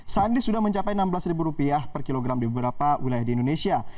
sandi sudah mencapai rp enam belas per kilogram di beberapa wilayah di indonesia